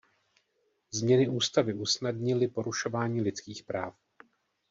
Změny ústavy usnadnily porušování lidských práv.